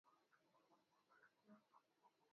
Ninataka kumwonyesha.